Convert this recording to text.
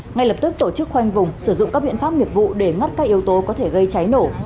ngay lập tức tổ chức khoanh vùng sử dụng các biện pháp nghiệp vụ để ngắt các yếu tố có thể gây cháy nổ